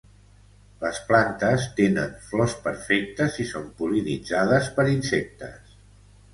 Les plantes tenen flors perfectes i són pol·linitzades per insectes.